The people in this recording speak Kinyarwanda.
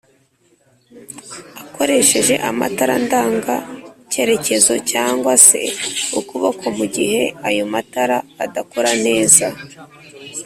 akoresheje amatara ndanga cyerekezo cg se ukuboko mugihe ayo matara adakora neza